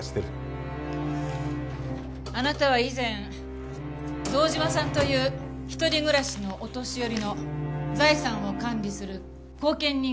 あなたは以前堂島さんという一人暮らしのお年寄りの財産を管理する後見人をしていましたよね。